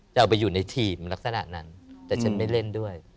เอาไปอยู่ในทีมลักษณะนั้นแต่ฉันไม่เล่นด้วย